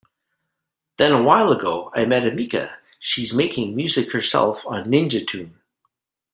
Then a while ago I met Emika, she's making music herself on Ninja Tune.